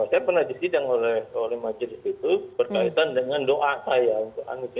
saya pernah disidang oleh majelis itu berkaitan dengan doa saya untuk anugerah